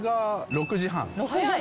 ６時半。